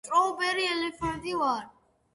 სტოვბერი ელეფანტი ვარ